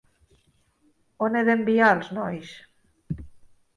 On he d'enviar els nois?